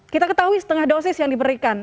kita ketahui setengah dosis yang diberikan